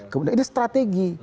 kemudian ini strategi